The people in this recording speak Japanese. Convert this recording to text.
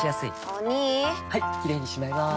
お兄はいキレイにしまいます！